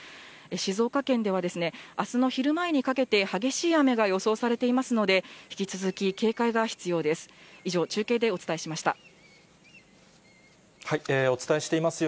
静岡県ではあすの昼前にかけて、激しい雨が予想されていますので、引き続き警戒が必要です。